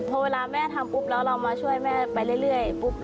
พอเวลาแม่ทำปุ๊บแล้วเรามาช่วยแม่ไปเรื่อยปุ๊บ